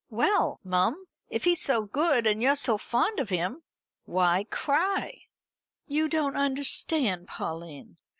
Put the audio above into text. "Well, mum, if he's so good and you're so fond of him, why cry?" "You don't understand, Pauline.